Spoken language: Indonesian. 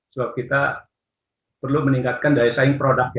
sebab kita perlu meningkatkan daya saing produknya